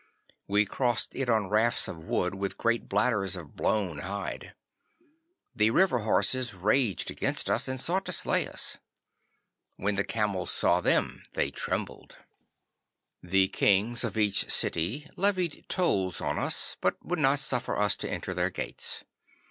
We crossed it on rafts of wood with great bladders of blown hide. The river horses raged against us and sought to slay us. When the camels saw them they trembled. 'The kings of each city levied tolls on us, but would not suffer us to enter their gates.